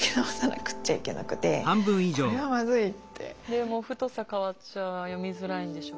でも太さ変わっちゃ読みづらいんでしょ？